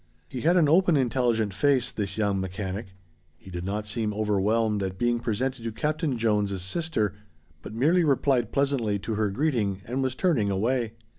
He had an open, intelligent face this young mechanic. He did not seem overwhelmed at being presented to Captain Jones' sister, but merely replied pleasantly to her greeting and was turning away.